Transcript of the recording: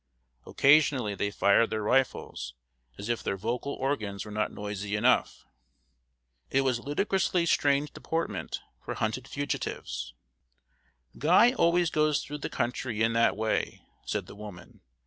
Occasionally they fired their rifles, as if their vocal organs were not noisy enough. It was ludicrously strange deportment for hunted fugitives. "Guy always goes through the country in that way," said the woman.